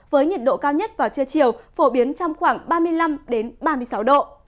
với nhiệt độ cao nhất vào trưa chiều phổ biến trong khoảng ba mươi năm ba mươi sáu độ